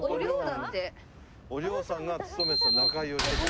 おりょうさんが勤めてた仲居をしてた。